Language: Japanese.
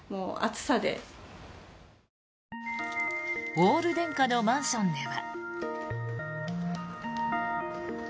オール電化のマンションでは。